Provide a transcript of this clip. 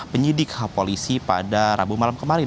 penyidik polisi pada rabu malam kemarin